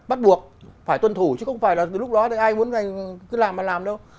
bắt buộc phải tuân thủ chứ không phải là lúc đó ai muốn cứ làm mà làm đâu